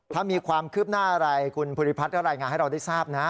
ถ้ามีความคืบหน้าอะไรคุณภูริพัฒน์ก็รายงานให้เราได้ทราบนะ